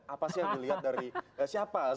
apa sih yang dilihat dari siapa